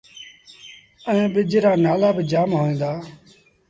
ائيٚݩ ٻج رآ نآلآ با جآم هوئين دآ